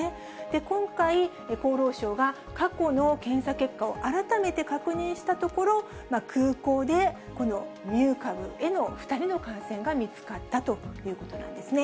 今回、厚労省が過去の検査結果を改めて確認したところ、空港でこのミュー株への２人の感染が見つかったということなんですね。